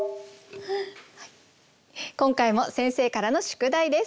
今回も先生からの宿題です。